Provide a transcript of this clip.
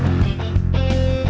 saya akan menemukan mereka